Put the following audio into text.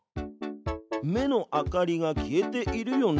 目の明かりが消えているよね。